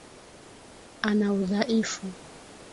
Ana udhaifu.